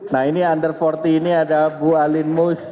nah ini under empat puluh ini ada bu alin mus